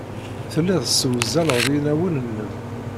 Telliḍ tessewzaleḍ inawen-nnem.